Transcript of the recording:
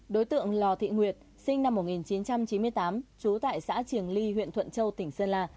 đối tượng lò thị nguyệt sinh năm một nghìn chín trăm chín mươi tám trú tại xã triềng ly huyện thuận châu tỉnh sơn la